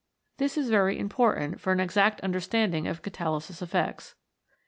This is very important for an exact understanding of catalysis effects.